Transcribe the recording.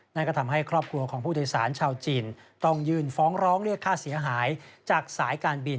นั่นก็ทำให้ครอบครัวของผู้โดยสารชาวจีนต้องยื่นฟ้องร้องเรียกค่าเสียหายจากสายการบิน